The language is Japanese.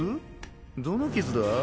どの傷だぁ？